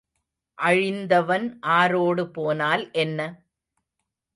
அழிந்தவன் ஆரோடு போனால் என்ன?